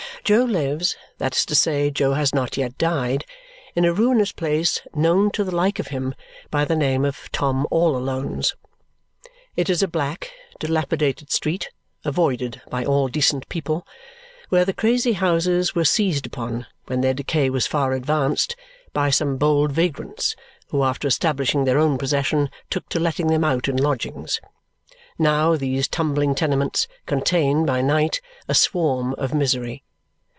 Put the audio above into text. Jo lives that is to say, Jo has not yet died in a ruinous place known to the like of him by the name of Tom all Alone's. It is a black, dilapidated street, avoided by all decent people, where the crazy houses were seized upon, when their decay was far advanced, by some bold vagrants who after establishing their own possession took to letting them out in lodgings. Now, these tumbling tenements contain, by night, a swarm of misery.